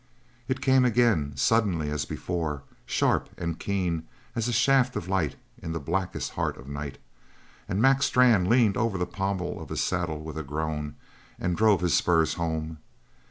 It came again, suddenly as before, sharp, and keen as a shaft of light in the blackest heart of night, and Mac Strann leaned over the pommel of his saddle with a groan, and drove the spurs home.